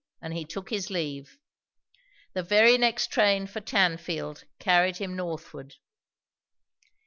And he took his leave. The very next train for Tanfield carried him northward.